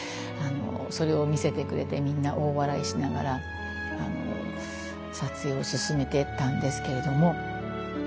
それを見せてくれてみんな大笑いしながら撮影を進めていったんですけれども。